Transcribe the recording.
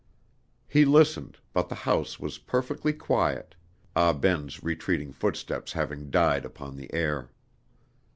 He listened, but the house was perfectly quiet, Ah Ben's retreating footsteps having died upon the air.